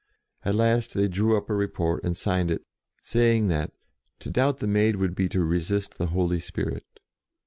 At last they drew up a report and signed it, saying that "to doubt the Maid would be to resist the Holy Spirit."